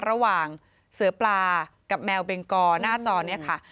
ระหว่างเสือปลากับแมวเบงกอหน้าจอนี้ค่ะ